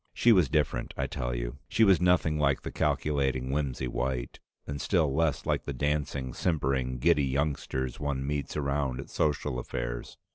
She was different, I tell you; she was nothing like the calculating Whimsy White, and still less like the dancing, simpering, giddy youngsters one meets around at social affairs.